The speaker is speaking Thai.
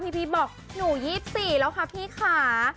พีชบอกหนู๒๔แล้วค่ะพี่ค่ะ